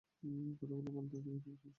কথাগুলো বলতে কী তোমার সমস্যা হবে?